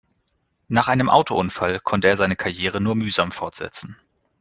Nach einem Autounfall konnte er seine Karriere nur mühsam fortsetzen.